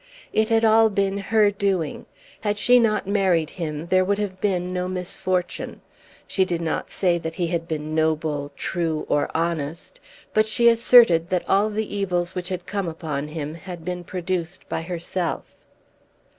It had all been her doing! Had she not married him there would have been no misfortune! She did not say that he had been noble, true, or honest, but she asserted that all the evils which had come upon him had been produced by herself.